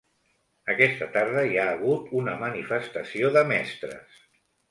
Aquesta tarda hi ha hagut una manifestació de mestres.